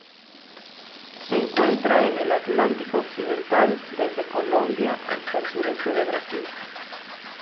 Se encuentra en el Atlántico occidental: desde Colombia hasta el sureste del Brasil.